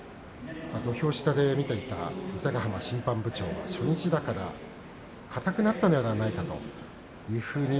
土俵下で見ていた伊勢ヶ濱審判部長は初日だからかたくなったのではないかというふうに